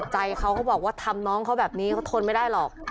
ใจเขาก็บอกว่าทำน้องเขาแบบนี้เขาทนไม่ได้หรอก